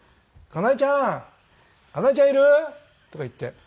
「かなえちゃんかなえちゃんいる？」とか言って。